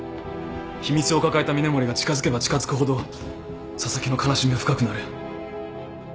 秘密を抱えた峰森が近づけば近づくほど紗崎の悲しみは深くなる。